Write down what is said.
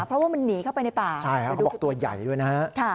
เพราะว่ามันหนีเข้าไปในป่าใช่ครับเขาบอกตัวใหญ่ด้วยนะฮะ